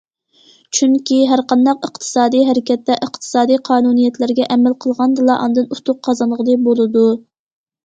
چۈنكى، ھەرقانداق ئىقتىسادىي ھەرىكەتتە ئىقتىسادىي قانۇنىيەتلەرگە ئەمەل قىلغاندىلا، ئاندىن ئۇتۇق قازانغىلى بولىدۇ.